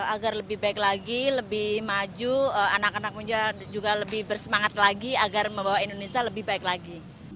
agar lebih baik lagi lebih maju anak anak muda juga lebih bersemangat lagi agar membawa indonesia lebih baik lagi